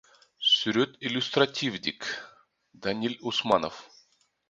Сүрөт иллюстративдик, Даниль Усманов.